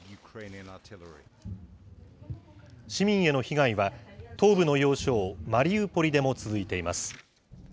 市民への被害は、東部の要衝、マリウポリでも続いています。